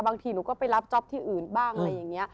บางทีหนูก็ไปรับจ๊อปที่อื่นบ้างอะไรอย่างนี้